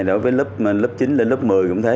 đối với lớp chín đến lớp một mươi cũng thế